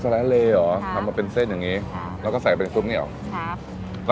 อ๋อสาลัยทะเลเหรอครับทำมาเป็นเส้นอย่างงี้ครับแล้วก็ใส่เป็นซุปนี่เหรอครับ